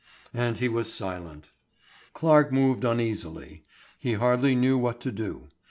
And he was silent. Clarke moved uneasily; he hardly knew what to do.